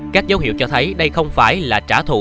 các dấu hiệu cho thấy đây không phải là trả thù